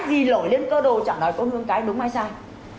vì lỗi liên cơ đồ chẳng nói có hương cái đúng hay sai